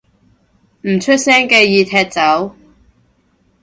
唔出聲嘅已踢走